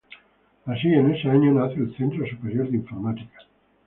Así, en ese año nace el Centro Superior de Informática.